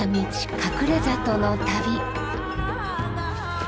隠れ里の旅。